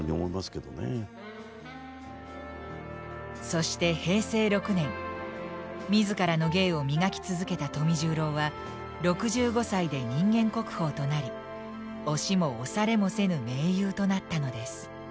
そして平成６年自らの芸を磨き続けた富十郎は６５歳で人間国宝となり押しも押されもせぬ名優となったのです。